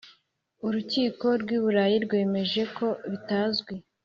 Urukiko rw u Burayi rwemeje ko bitazwi